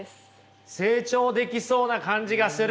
成長できそうな感じがする。